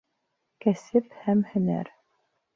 Кәсеп һәм һөнәр